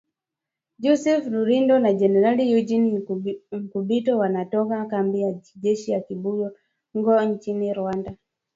Joseph Rurindo na Jenerali Eugene Nkubito wanatoka kambi ya kijeshi ya Kibungo nchini Rwanda.